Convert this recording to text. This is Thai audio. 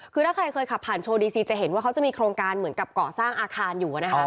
คือถ้าใครเคยขับผ่านโชว์ดีซีจะเห็นว่าเขาจะมีโครงการเหมือนกับเกาะสร้างอาคารอยู่นะคะ